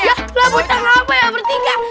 ya lah boceng apa ya bertiga